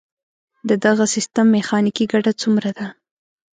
د دغه سیستم میخانیکي ګټه څومره ده؟